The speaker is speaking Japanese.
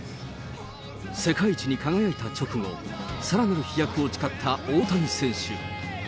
世界一に輝いた直後、さらなる飛躍を誓った大谷選手。